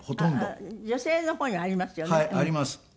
女性のほうにはありますよね。